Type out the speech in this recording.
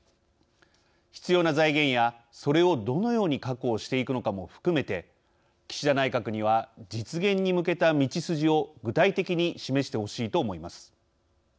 必要な財源やそれをどのように確保していくのかも含めて岸田内閣には実現に向けた道筋を具体的に示してほしいと思います。